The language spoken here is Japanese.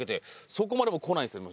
そこまでも来ないんですよね。